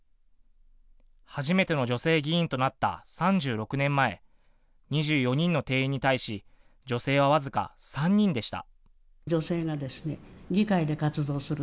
初めての女性議員となった３６年前、２４人の定員に対し女性は僅か３人でした。